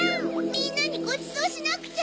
みんなにごちそうしなくちゃ！